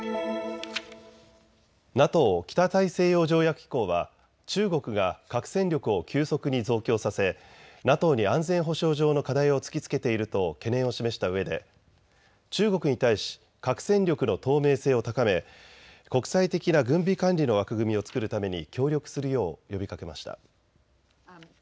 ＮＡＴＯ・北大西洋条約機構は中国が核戦力を急速に増強させＮＡＴＯに安全保障上の課題を突きつけていると懸念を示したうえで中国に対し核戦力の透明性を高め国際的な軍備管理の枠組みを作るために協力するよう呼びかけました。